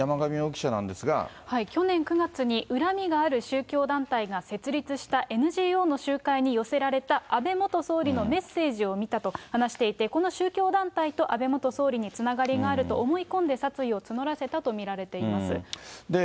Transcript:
去年９月に、恨みがある宗教団体が設立したＮＧＯの集会に寄せられた、安倍元総理のメッセージを見たと話していて、この宗教団体と安倍元総理につながりがあると思い込んで殺意を募らせたと見られています。